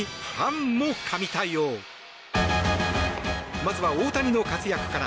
まずは大谷の活躍から。